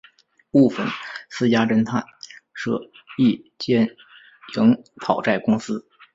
部份私家侦探社亦兼营讨债公司。